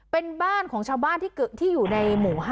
เป็นบ้านของเช่าบ้านที่เกิดที่อยู่ในหมู่๕